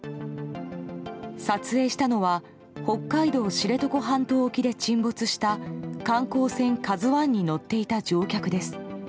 撮影したのは北海道知床半島沖で沈没した観光船「ＫＡＺＵ１」に乗っていた乗客です。